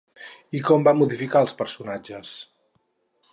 I com va modificar els personatges?